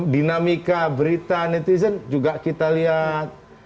dinamika berita netizen juga kita lihat